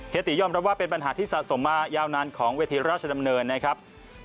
ติยอมรับว่าเป็นปัญหาที่สะสมมายาวนานของเวทีราชดำเนินนะครับ